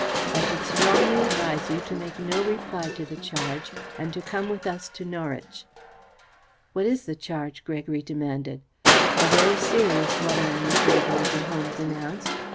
I should strongly advise you to make no reply to the charge and to come with us to Norwich." "What is the charge?" Gregory demanded. "A very serious one, I am afraid," Major Holmes announced.